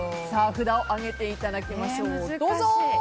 札を上げていただきましょう。